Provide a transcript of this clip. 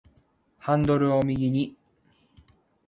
ハンドルを右に